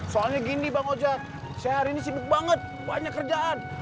soalnya gini bang oja saya hari ini sibuk banget banyak kerjaan